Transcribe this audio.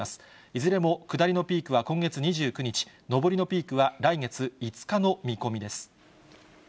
いずれも下りのピークは今月２９日、上りのピークは来月５日の見込みです。